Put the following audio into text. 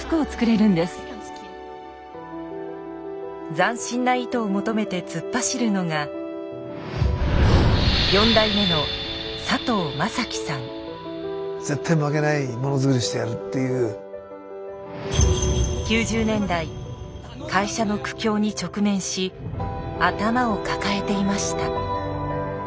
斬新な糸を求めて突っ走るのが９０年代会社の苦境に直面し頭を抱えていました。